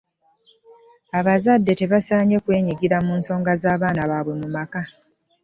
Abazadde tebasaanye kweyingiza mu nsonga z'abaana baabwe mu maka.